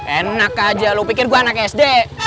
enak aja lo pikir gue anak sd